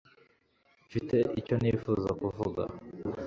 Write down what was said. mfite icyo nifuza kuvuga